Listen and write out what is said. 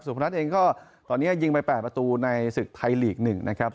พนัทเองก็ตอนนี้ยิงไป๘ประตูในศึกไทยลีก๑นะครับ